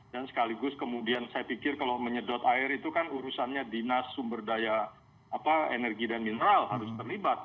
dan sekaligus kemudian saya pikir kalau menyetot air itu kan urusannya dinas sumber daya energi dan mineral harus terlibat